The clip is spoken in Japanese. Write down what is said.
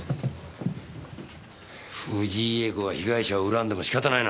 藤井詠子が被害者を恨んでも仕方ないな。